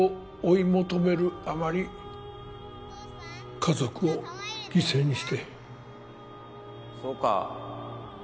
家族を犠牲にしてそうか